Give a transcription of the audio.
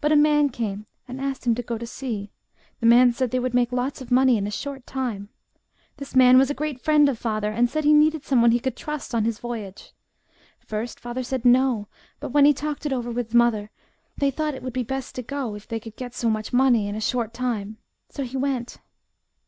But a man came and asked him to go to sea. The man said they would make lots of money in a short time. This man was a great friend of father and he said he needed someone he could trust on this voyage. First father said no, but when he talked it over with mother, they, thought it would be best to go, if they could get so much money in a short time, so he went."